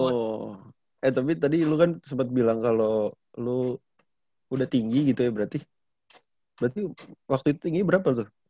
oh eh tapi tadi lo kan sempat bilang kalau lo udah tinggi gitu ya berarti waktu itu tingginya berapa tuh